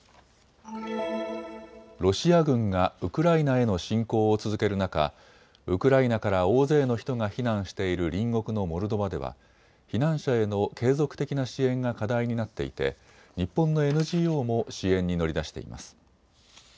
ロシア軍がウクライナへの侵攻を続ける中、ウクライナから大勢の人が避難している隣国のモルドバでは避難者への継続的な支援が課題になっていて日本のＮＧＯも支援に乗り出しています。